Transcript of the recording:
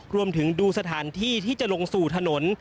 รวมถึงดูสถานที่ที่จะลงสู่ถนน